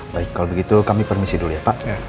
baik kalau begitu kami permisi dulu ya pak